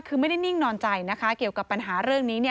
คือไม่ได้นิ่งนอนใจนะคะเกี่ยวกับปัญหาเรื่องนี้